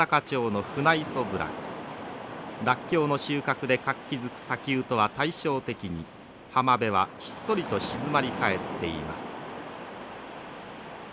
らっきょうの収穫で活気づく砂丘とは対照的に浜辺はひっそりと静まり返っています。